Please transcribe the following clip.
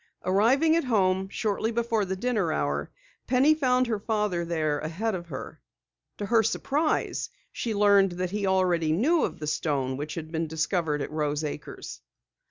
Arriving at home, shortly before the dinner hour, Penny found her father there ahead of her. To her surprise she learned that he already knew of the stone which had been discovered at Rose Acres.